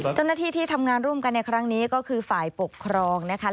เจ้าหน้าที่ที่ทำงานร่วมกันในครั้งนี้ก็คือฝ่ายปกครองนะคะ